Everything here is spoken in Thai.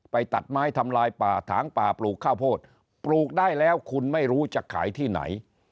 ตัดไม้ทำลายป่าถางป่าปลูกข้าวโพดปลูกได้แล้วคุณไม่รู้จะขายที่ไหน